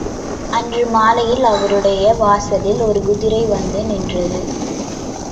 அன்று மாலையில் அவருடைய வாசலில் ஒரு குதிரை வந்து நின்றது.